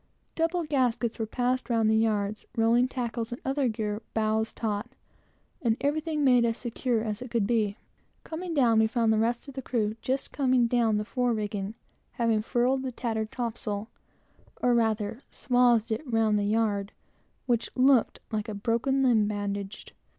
Double gaskets were passed round the yards, rolling tackles and other gear bowsed taut, and everything made as secure as could be. Coming down, we found the rest of the crew just coming down the fore rigging, having furled the tattered topsail, or, rather, swathed it round the yard, which looked like a broken limb, bandaged.